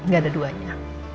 gak ada duanya